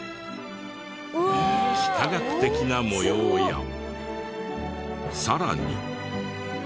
幾何学的な模様やさらに。